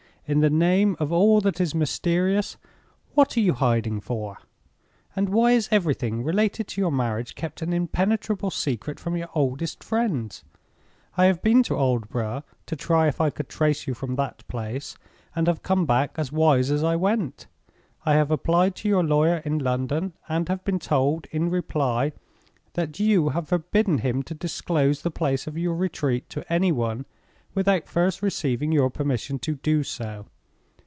In the name of all that is mysterious, what are you hiding for? And why is everything relating to your marriage kept an impenetrable secret from your oldest friends? "I have been to Aldborough to try if I could trace you from that place, and have come back as wise as I went. I have applied to your lawyer in London, and have been told, in reply, that you have forbidden him to disclose the place of your retreat to any one without first receiving your permission to do so.